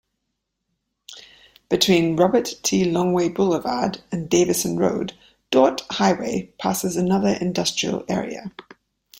Between Robert T. Longway Boulevard and Davison Road, Dort Highway passes another industrial area.